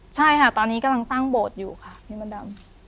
ใช่ค่ะตอนนี้กำลังสร้างโบสถ์อยู่ค่ะพี่มดดำ